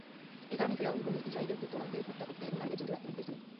এ কারণেই ফিরআউন বনী ইসরাঈলের পুত্রগণকে হত্যা করতে এবং নারীদের জীবিত রাখতে নির্দেশ দিল।